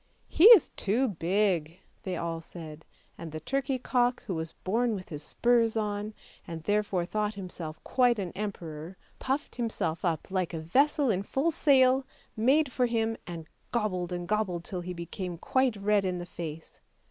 " He is too big," they all said; and the turkey cock, who was born with his spurs on, and therefore thought himself quite an emperor, puffed himself up like a vessel in full sail, made for him, and gobbled and gobbled till he became quite red in the face.